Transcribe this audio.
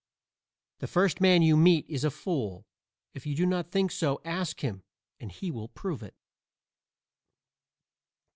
The first man you meet is a fool. If you do not think so ask him and he will prove it.